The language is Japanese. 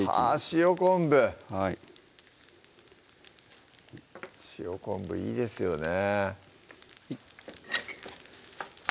塩昆布はい塩昆布いいですよね